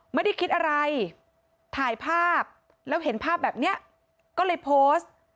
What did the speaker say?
ไม่ได้คิดอะไรถ่ายภาพแล้วเห็นภาพแบบนี้ก็เลยโพสต์